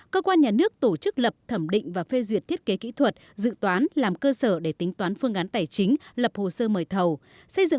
cơ quan nhà nước tổ chức lập thẩm định và phê duyệt thiết kế kỹ thuật dự toán làm cơ sở để tính toán phương án tài chính lập hồ sơ mời thầu